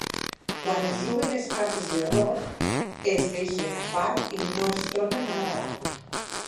Quan es juguen, les cartes d'error es deixen a part i no es tornen a la baralla.